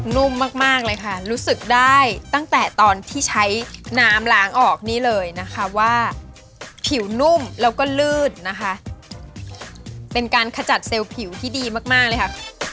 นุ่มมากเลยค่ะรู้สึกได้ตั้งแต่ตอนที่ใช้น้ำล้างออกนี่เลยนะคะว่าผิวนุ่มแล้วก็ลืดนะคะเป็นการขจัดเซลล์ผิวที่ดีมากเลยค่ะ